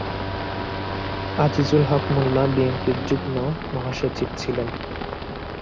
আজিজুল হক মোল্লা বিএনপির যুগ্ম মহাসচিব ছিলেন।